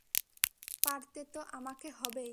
পারতে তো আমাকে হবেই!